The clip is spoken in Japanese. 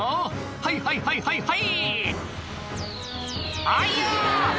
「はいはいはいはいはい」